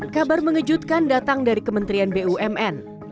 kabar mengejutkan datang dari kementerian bumn